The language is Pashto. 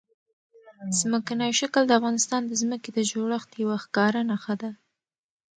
ځمکنی شکل د افغانستان د ځمکې د جوړښت یوه ښکاره نښه ده.